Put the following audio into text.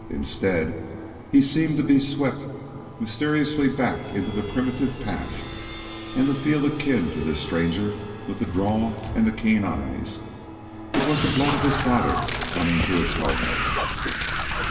Instead, he seemed to be swept mysteriously back into the primitive past, and to feel akin to this stranger with the drawl and the keen eyes. It was the blood of his father coming to its own.